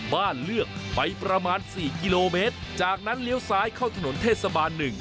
บ้านเลือกไปประมาณ๔กิโลเมตรจากนั้นเหลวซ้ายเข้าถนนเทตเมือส์๑